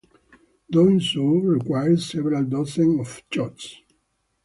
Doing so requires several dozens of shots.